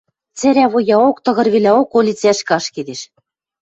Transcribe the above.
Цӓрӓвуяок, тыгырвелӓок ӧлицӓшкӹ ашкедеш.